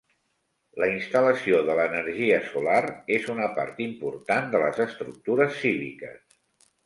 La instal·lació de l'energia solar és una part important de les estructures cíviques.